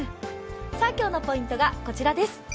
今日のポイントがこちらです。